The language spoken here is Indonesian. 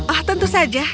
oh tentu saja